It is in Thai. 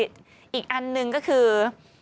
อีกอันหนึ่งก็คือ